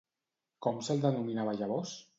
Com se'l denominava llavors?